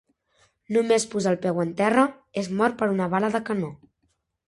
Només posar el peu en terra, és mort per una bala de canó.